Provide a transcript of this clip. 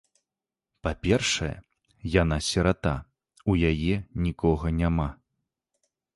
Па-першае, яна сірата, у яе нікога няма.